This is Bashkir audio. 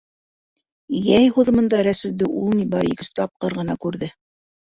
Йәй һуҙымында Рәсүлде ул ни бары ике-өс тапҡыр ғына күрҙе.